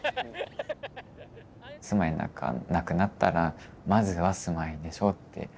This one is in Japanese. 住まいなんかなくなったらまずは住まいでしょうって。